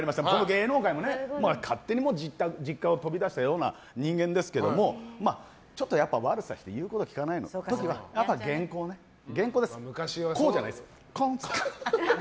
芸能界も勝手に実家を飛び出したような人間ですけどちょっと悪さして言うこと聞かないときは拳固ね、ゴンじゃなくてコーンで。